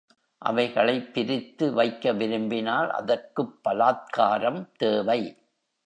அவைகளைப் பிரித்து வைக்க விரும்பினால் அதற்குப் பலாத்காரம் தேவை.